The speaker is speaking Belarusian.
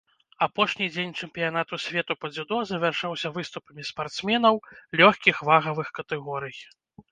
Апошні дзень чэмпіянату свету па дзюдо завяршаўся выступамі спартсменаў лёгкіх вагавых катэгорый.